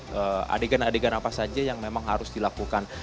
jadi adegan adegan apa saja yang memang harus dilakukan